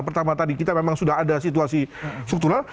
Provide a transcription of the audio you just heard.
pertama tadi kita memang sudah ada situasi struktural